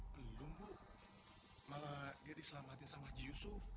belum bu malah dia diselamatin sama haji yusuf